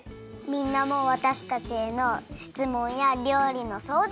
みんなもわたしたちへのしつもんやりょうりのそうだん。